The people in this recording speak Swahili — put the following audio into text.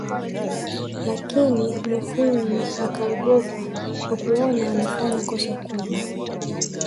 Lakini Mufwimi akaogopa kwa kuona amefanya kosa kubwa